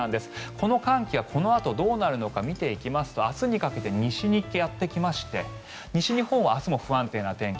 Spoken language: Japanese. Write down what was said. この寒気はこのあとどうなるのか見ていきますと明日にかけて西にやってきまして西日本は明日も不安定な天気。